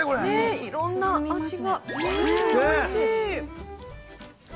◆いろんな味が。